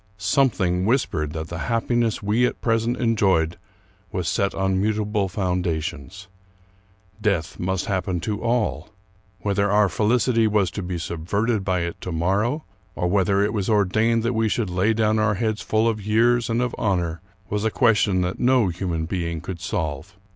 Something whispered that the happiness we at present en joyed was set on mutable foundations. Death must hap pen to all. Whether our felicity was to be subverted by it to morrow, or whether it was ordained that we should lay down our heads full of years and of honor, was a ques tion that no human being could solve.